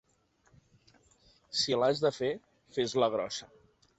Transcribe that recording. Si l'has de fer, fes-la grossa.